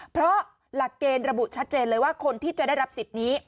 เพราะหลักเกณฑ์ระบุชัดเจนเลยว่าคนที่จะได้รับสิทธิ์นี้